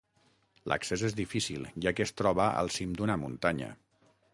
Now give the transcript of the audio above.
L'accés és difícil, ja que es troba al cim d'una muntanya.